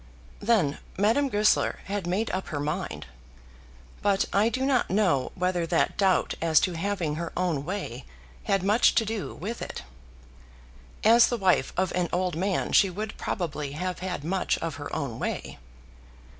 Then Madame Goesler had made up her mind; but I do not know whether that doubt as to having her own way had much to do with it. As the wife of an old man she would probably have had much of her own way.